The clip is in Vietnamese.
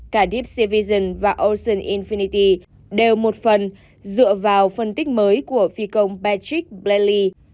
cả deep sea vision và ocean infinity đều một phần dựa vào phân tích mới của phi công patrick blayley